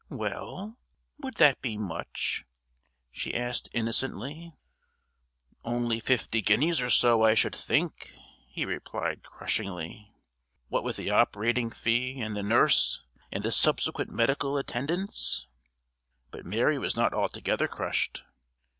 "Well, would that be much?" she asked innocently. "Only fifty guineas or so, I should think," he replied crushingly. "What with the operating fee, and the nurse, and the subsequent medical attendance." But Mary was not altogether crushed.